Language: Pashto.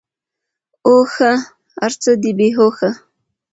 اوښه ! هرڅه دی بی هوښه .